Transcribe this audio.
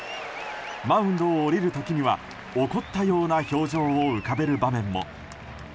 マウンドを降りる時には怒ったような表情を浮かべる場面も。